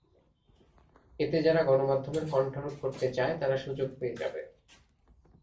এতে যারা গণমাধ্যমের কণ্ঠ রোধ করতে চায়, তারা সুযোগ পেয়ে যাবে।